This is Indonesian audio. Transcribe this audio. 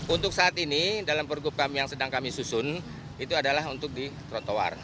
untuk saat ini dalam pergub kami yang sedang kami susun itu adalah untuk di trotoar